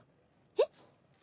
えっ？